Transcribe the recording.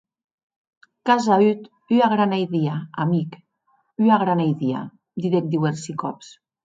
Qu’as auut ua grana idia, amic, ua grana idia, didec diuèrsi còps.